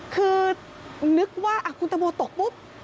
คือนึกว่าคุณตังโมตกปุ๊บ